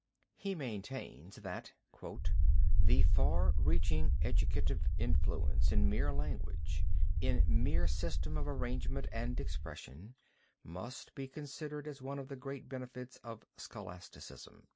He maintains that "the far reaching educative influence in mere language, in mere system of arrangement and expression, must be considered as one of the great benefits of Scholasticism."